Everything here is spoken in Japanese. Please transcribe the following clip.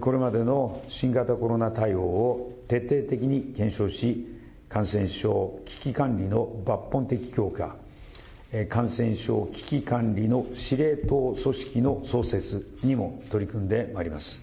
これまでの新型コロナ対応を徹底的に検証し、感染症危機管理の抜本的強化、感染症危機管理の司令塔組織の創設にも取り組んでまいります。